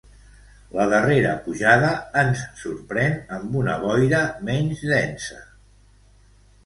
La darrera pujada ens sorprèn amb una boira menys densa.